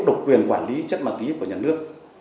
độc quyền quản lý chất ma túy của nhà nước